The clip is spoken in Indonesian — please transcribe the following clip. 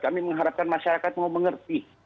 kami mengharapkan masyarakat mau mengerti